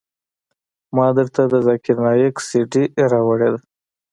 ما درته د ذاکر نايک سي ډي راوړې ده.